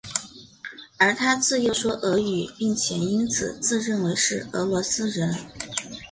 而他自幼说俄语并且因此自认为是俄罗斯人。